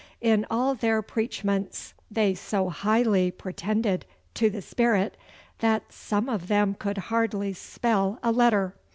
In all their preachments they so highly pretended to the Spirit, that some of them could hardly spell a letter.